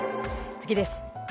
次です。